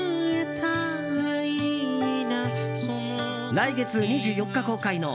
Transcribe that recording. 来月２４日公開の